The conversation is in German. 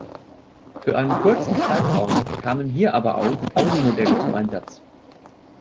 Für einen kurzen Zeitraum kamen hier aber auch Audi-Modelle zum Einsatz.